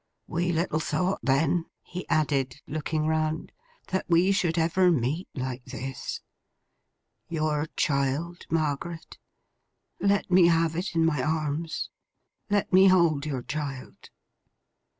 We little thought, then,' he added, looking round, 'that we should ever meet like this. Your child, Margaret? Let me have it in my arms. Let me hold your child.